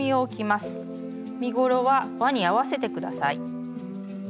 身ごろはわに合わせて下さい。